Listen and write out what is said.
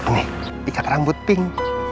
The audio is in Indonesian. nih ikat rambut pink